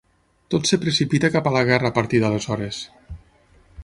Tot es precipita cap a la guerra a partir d’aleshores.